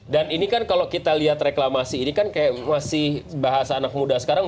dan ini kan kalau kita lihat reklamasi ini kan kayak masih bahasa anak muda sekarang